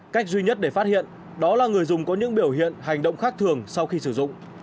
cách duy nhất để phát hiện đó là người dùng có những biểu hiện hành động khác thường sau khi sử dụng